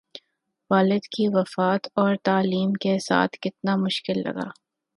والد کی وفات اور تعلیم کے ساتھ کتنا مشکل لگا